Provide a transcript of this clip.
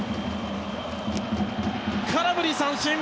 空振り三振！